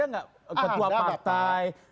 ada nggak ketua partai